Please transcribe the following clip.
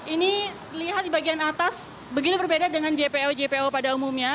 ini dilihat di bagian atas begini berbeda dengan jpo jpo pada umumnya